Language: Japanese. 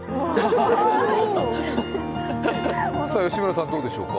吉村さん、どうでしょうか？